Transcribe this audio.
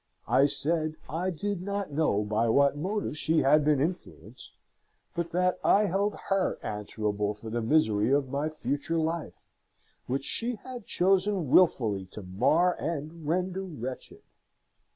I said I did not know by what motives she had been influenced, but that I held her answerable for the misery of my future life, which she had chosen wilfully to mar and render wretched.